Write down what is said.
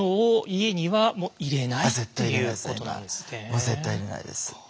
もう絶対入れないです。